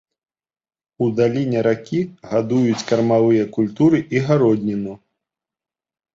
У даліне ракі гадуюць кармавыя культуры і гародніну.